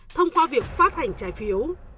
thông qua việc phát hành trái phiếu